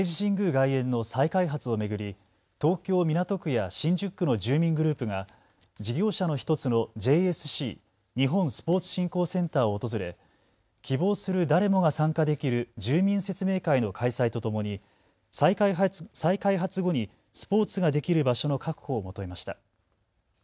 外苑の再開発を巡り東京港区や新宿区の住民グループが事業者の１つのＪＳＣ・日本スポーツ振興センターを訪れ希望する誰もが参加できる住民説明会の開催とともに再開発後にスポーツができる場所の確保を求めました。